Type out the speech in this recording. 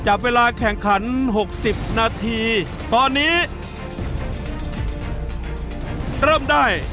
เวลาแข่งขัน๖๐นาทีตอนนี้เริ่มได้